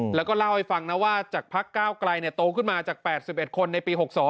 แล้วก็เล่าให้ฟังนะว่าจากพักก้าวไกลโตขึ้นมาจาก๘๑คนในปี๖๒